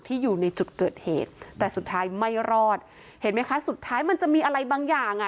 อยู่ในจุดเกิดเหตุแต่สุดท้ายไม่รอดเห็นไหมคะสุดท้ายมันจะมีอะไรบางอย่างอ่ะ